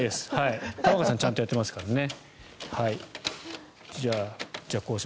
玉川さんはちゃんとやってますからね。